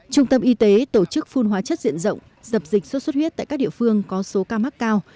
trung tâm y tế tổ chức phun hóa chất diện rộng dập dịch xuất xuất huyết tại các địa phương có số ca mắc cao